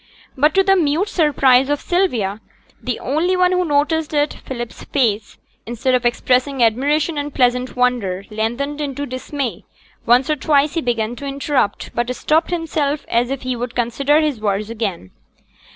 But to the mute surprise of Sylvia, the only one who noticed it, Philip's face, instead of expressing admiration and pleasant wonder, lengthened into dismay; once or twice he began to interrupt, but stopped himself as if he would consider his words again.